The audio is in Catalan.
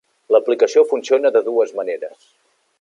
L'aplicació funciona de dues maneres.